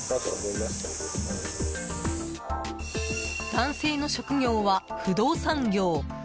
男性の職業は不動産業。